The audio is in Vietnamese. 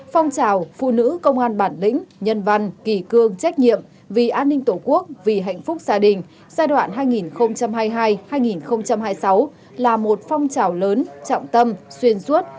phong trào phụ nữ công an bản lĩnh nhân văn kỳ cương trách nhiệm vì an ninh tổ quốc vì hạnh phúc gia đình giai đoạn hai nghìn hai mươi hai hai nghìn hai mươi sáu là một phong trào lớn trọng tâm xuyên suốt